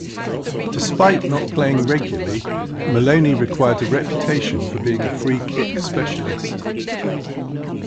Despite not playing regularly, Maloney acquired a reputation for being a free kick specialist.